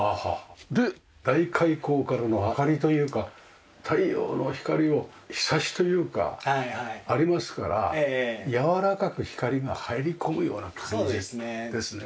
で大開口からの明かりというか太陽の光をひさしというかありますからやわらかく光が入り込むような感じですね。